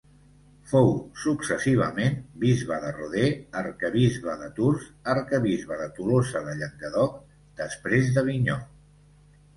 Fou successivament bisbe de Rodez, arquebisbe de Tours, arquebisbe de Tolosa de Llenguadoc, després d'Avinyó.